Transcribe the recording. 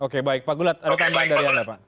oke baik pak gulat ada tambahan dari anda pak